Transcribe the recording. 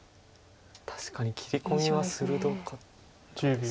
確かに切り込みは鋭かったです。